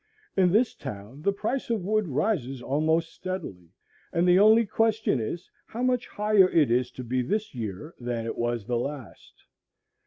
In this town the price of wood rises almost steadily, and the only question is, how much higher it is to be this year than it was the last.